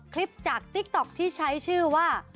คลิปจากติ๊กต๊อกที่ใช้ชื่อว่า